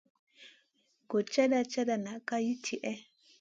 Gochata chata nak ka li tihè?